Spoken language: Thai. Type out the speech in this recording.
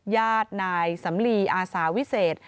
ญาตินายสำลีอาสาวิเศษ